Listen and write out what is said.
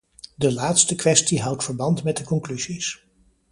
De laatste kwestie houdt verband met de conclusies.